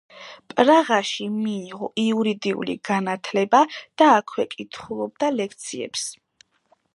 პრაღაში მიიღო იურიდული განათლება და აქვე კითხულობდა ლექციებს.